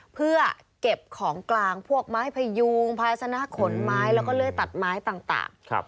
เพื่อเก็บของกลางพวกไม้พยูงภาษณะขนไม้แล้วก็เลื่อยตัดไม้ต่าง